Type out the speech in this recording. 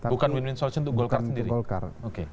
bukan win win solution untuk golkar sendiri